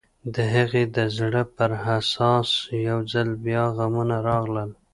د هغې د زړه پر ساحل يو ځل بيا غمونه راغلل.